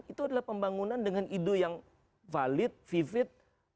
itu adalah pembangunan dengan ide yang valid vivit